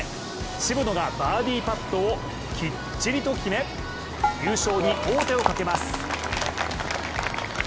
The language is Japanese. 渋野がバーディーパットをきっちりと決め優勝に王手をかけます。